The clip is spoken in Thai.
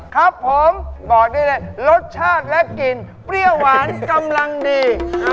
ครับผมบอกได้เลยรสชาติและกลิ่นเปรี้ยวหวานกำลังดี